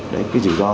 đấy cái rủi ro